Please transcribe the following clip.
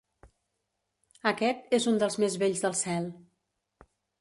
Aquest és un dels més bells del cel.